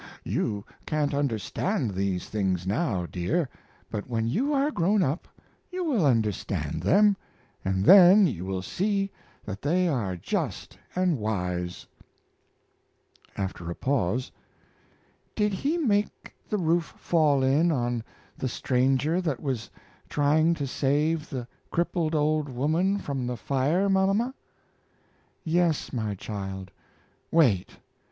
You can't understand these things now, dear, but when you are grown up you will understand them, and then you will see that they are just and wise." After a pause: "Did He make the roof fall in on the stranger that was trying to save the crippled old woman from the fire, mama?" "Yes, my child. Wait!